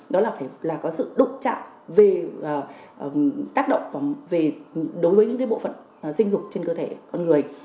đó là phải có sự độc trạng về tác động đối với những bộ phận sinh dục trên cơ thể con người